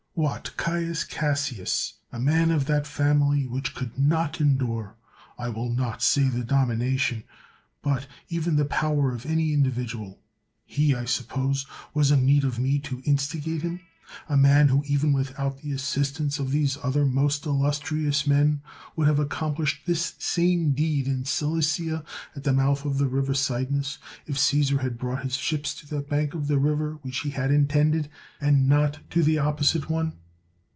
What! Caius. Cassius, a man of that family which could not endure, I will not say the domination, but even the power of any individual, — he, I suppose, was in need of me to instigate him ? a man who, even without the assistance of these other most illus trious men, would have accomplished this same deed in Cilicia, at the mouth of the river Cydnus, if Caesar had brought his ships to that bank of the river which he had intended, and not to the opposite one.